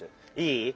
いい？